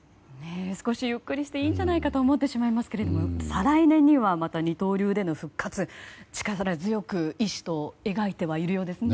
少しゆっくりしていいんじゃないかと思ってしまいますが再来年にはまた二刀流での復活を力強く医師と描いてはいるようですね。